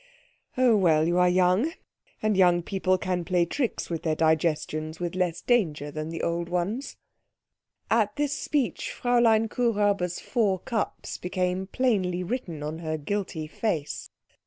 Oh, well, you are young, and young people can play tricks with their digestions with less danger than old ones." At this speech Fräulein Kuhräuber's four cups became plainly written on her guilty face.